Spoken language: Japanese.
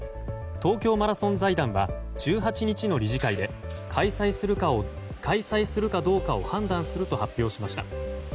東京マラソン財団は１８日の理事会で開催するかどうかを判断すると発表しました。